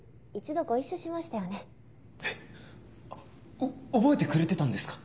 お覚えてくれてたんですか？